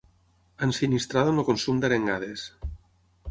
Ensinistrada en el consum d'arengades.